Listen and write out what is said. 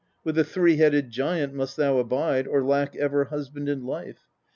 30. With a three headed giant must thou abide or lack ever husband in life.